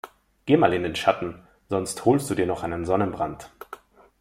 Geh mal in den Schatten, sonst holst du dir noch einen Sonnenbrand.